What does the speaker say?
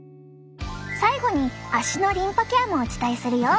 最後に足のリンパケアもお伝えするよ！